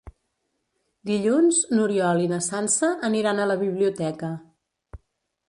Dilluns n'Oriol i na Sança aniran a la biblioteca.